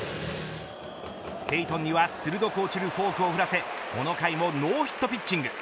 ペイトンには鋭く落ちるフォークを打たせこの回もノーヒットピッチング。